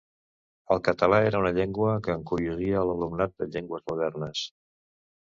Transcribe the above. El català era una llengua que encuriosia l’alumnat de llengües modernes.